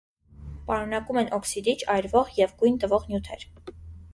Պարունակում են օքսիդիչ, այրվող և գույն տվող նյութեր։